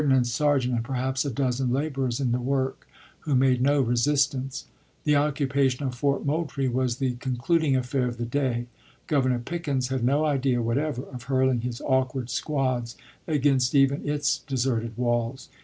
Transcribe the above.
iv. nance sergeant, and perhaps a dozen laborers in the work, who made no resistance. The occupation of Fort Moultrie was the con cluding affair of the day. Governor Pickens had no idea whatever of hurling his awkward squads against even its deserted walls.